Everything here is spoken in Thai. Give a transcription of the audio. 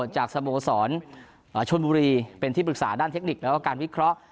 จากสโมสรชนบุรีเป็นที่ปรึกษาด้านเทคนิคแล้วก็การวิเคราะห์